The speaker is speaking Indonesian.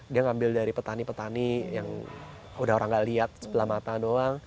dia ngambil dari petani petani yang udah orang gak lihat sebelah mata doang